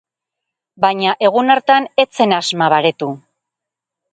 Baina egun hartan ez zen asma baretu.